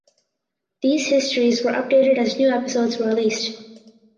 These histories were updated as new episodes were released.